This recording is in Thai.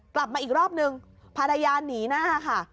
กลับมาอีกรอบนึงภรรยาหนีหน้าค่ะ